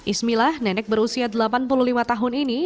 ismillah nenek berusia delapan puluh lima tahun ini